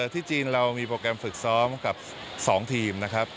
ที่จีนเรามีโปรแกรมฝึกซ้อมกับ๒ทีมนะครับ